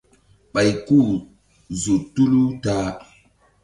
Ɓay ku-u zo tulu ta-a.